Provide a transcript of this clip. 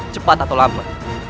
cepat atau lama